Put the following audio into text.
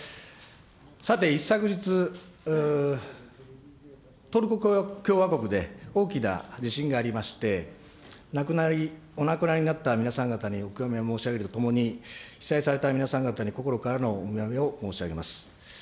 さて、一昨日、トルコ共和国で、大きな地震がありまして、お亡くなりになった皆さん方にお悔やみを申し上げるとともに、被災された皆さん方に心からのお見舞いを申し上げます。